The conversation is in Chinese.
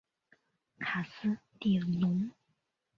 卡斯蒂隆。